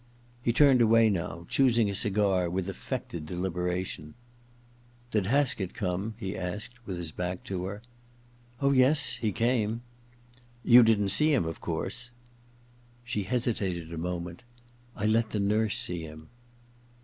He turned away now, choosing a cigar with affected deliberation. ^Did Haskett come?' he asked, with his back to her. II THE OTHER TWO 53 * Oh, yes — he came/ * You didn't see him, of course ?' She hesitated a moment. *I let the nurse see him.